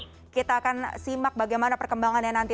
baik kita akan simak bagaimana perkembangannya nanti